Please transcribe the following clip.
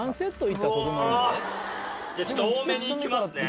ちょっと多めにいきますね。